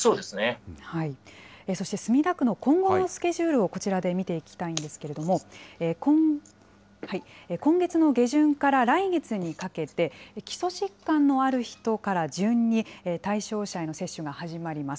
そして墨田区の今後のスケジュールをこちらで見ていきたいんですけれども、今月の下旬から来月にかけて、基礎疾患のある人から順に、対象者への接種が始まります。